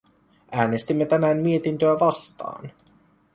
Äänestimme tänään mietintöä vastaan.